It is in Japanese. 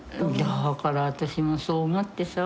だから私もそう思ってさ。